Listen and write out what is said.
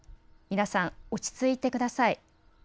皆さん、落ち着いてください。